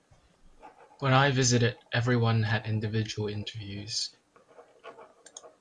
When I visited everyone had individual interviews.